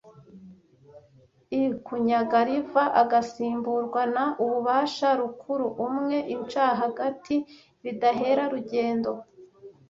I kunyaga riva agasimburwa na ububasha rukuru, umwe incahagati bidahera rugendo,